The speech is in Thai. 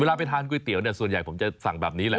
ไปทานก๋วยเตี๋ยวเนี่ยส่วนใหญ่ผมจะสั่งแบบนี้แหละ